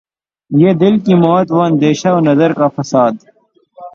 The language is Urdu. یہ دل کی موت وہ اندیشہ و نظر کا فساد